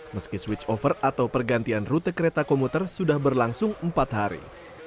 meski switch over atau pergantian rute kereta komuter sudah berlangsung empat hari